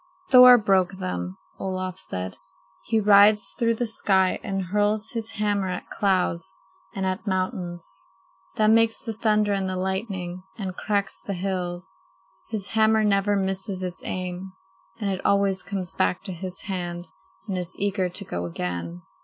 "Thor broke them," Olaf said. "He rides through the sky and hurls his hammer at clouds and at mountains. That makes the thunder and the lightning and cracks the hills. His hammer never misses its aim, and it always comes back to his hand and is eager to go again."